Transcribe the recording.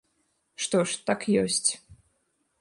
Што ж, так ёсць.